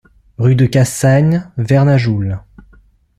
Rue de Cassagne, Vernajoul